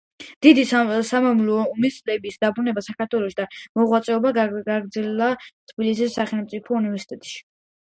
დიდი სამამულო ომის წლებში დაბრუნდა საქართველოში და მოღვაწეობა გააგრძელა თბილისის სახელმწიფო უნივერსიტეტში.